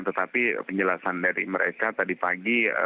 tetapi penjelasan dari mereka tadi pagi